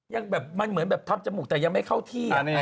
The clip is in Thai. ยังแบบมันเหมือนแบบทำจมูกแต่ยังไม่เข้าที่อะไร